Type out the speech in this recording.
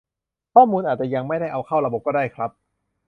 ข้อมูลอาจจะยังไม่ได้เอาเข้าระบบก็ได้ครับ